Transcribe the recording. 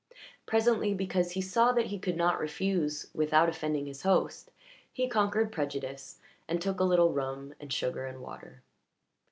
Presently, because he saw that he could not refuse without offending his host, he conquered prejudice and took a little rum and sugar and water.